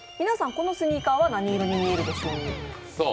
このスニーカーは何色に見えるでしょう。